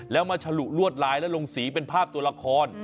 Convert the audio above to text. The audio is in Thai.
แล้วมาฉลุลวดลายแล้วลงสีเป็นภาพตัวละคร